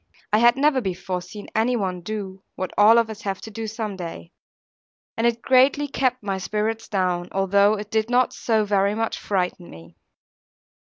I had never before seen any one do, what all of us have to do some day; and it greatly kept my spirits down, although it did not so very much frighten me.